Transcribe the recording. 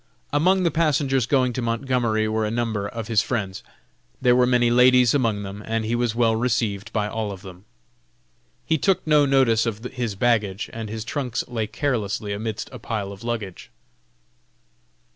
Among the passengers going to Montgomery were a number of his friends. There were many ladies among them, and he was well received by all of them. He took no notice of his baggage, and his trunks lay carelessly amidst a pile of luggage.